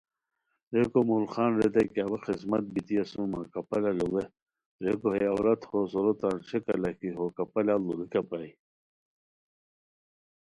ریکو مغل خان ریتائے کی اوا خسمت بیتی اسوم، مہ کپالہ لوڑے ریکو ہے عورت ہو سورو تان ݰیکہ لکھی ہو کپالہ لوڑیکہ پرائے